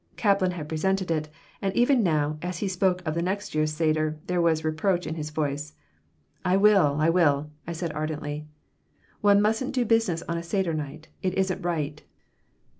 Kaplan had resented it, and even now, as he spoke of the next year's seder, there was reproach in his voice. "I will, I will," I said, ardently. "One mustn't do business on a seder night. It isn't right."